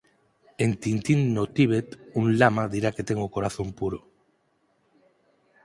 En "Tintín no Tíbet" un lama dirá que ten o "corazón puro".